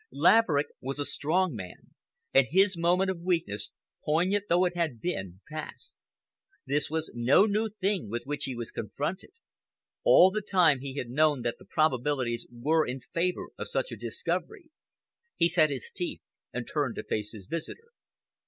Laverick was a strong man, and his moment of weakness, poignant though it had been, passed. This was no new thing with which he was confronted. All the time he had known that the probabilities were in favor of such a discovery. He set his teeth and turned to face his visitor.